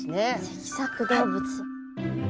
脊索動物。